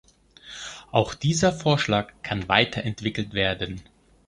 Auch dieser Vorschlag kann weiterentwickelt werden.